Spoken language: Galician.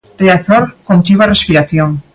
Riazor contivo a respiración.